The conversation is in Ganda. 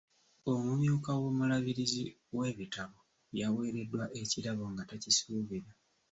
Omumyuka w'omubalirizi w'ebitabo yaweereddwa ekirabo nga takisuubira.